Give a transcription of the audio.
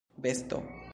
besto